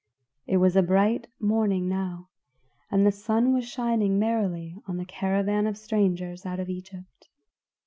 It was a bright morning now, and the sun was shining merrily on a caravan of strangers out of Egypt.